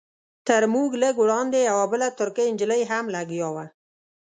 تر موږ لږ وړاندې یوه بله ترکۍ نجلۍ هم لګیا وه.